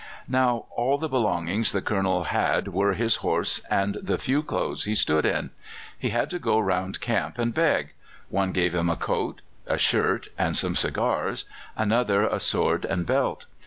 Now all the belongings the Colonel had were his horse and the few clothes he stood in. He had to go round camp and beg: one gave him a coat, a shirt, and some cigars, another a sword and belt.